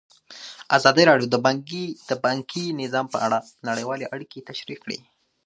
ازادي راډیو د بانکي نظام په اړه نړیوالې اړیکې تشریح کړي.